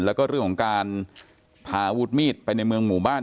แล้วก็เรื่องของการพาอาวุธมีดไปในเมืองหมู่บ้าน